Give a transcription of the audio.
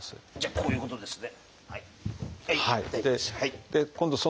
こういうことですね。